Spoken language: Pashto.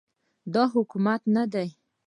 دا حکومت نه دی